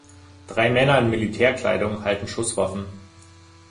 Drei Männer in Militärkleidung halten Schusswaffen.